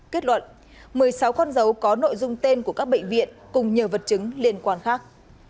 kết luận một mươi sáu con dấu có nội dung tên của các bệnh viện cùng nhiều vật chứng liên quan khác